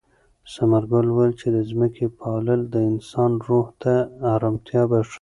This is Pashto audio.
ثمرګل وویل چې د ځمکې پالل د انسان روح ته ارامتیا بښي.